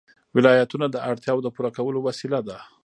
ولایتونه د اړتیاوو د پوره کولو وسیله ده.